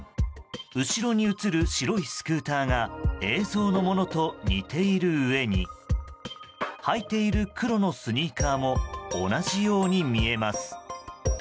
後ろに映る白いスクーターが映像のものと似ているうえに履いている黒のスニーカーも同じように見えます。